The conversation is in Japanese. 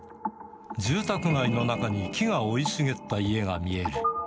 住宅街の中に木が生い茂った家が見える。